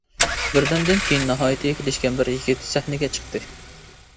بىردەمدىن كېيىن ناھايىتى كېلىشكەن بىر يىگىت سەھنىگە چىقتى.